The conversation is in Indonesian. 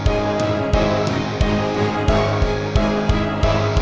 oh anak mama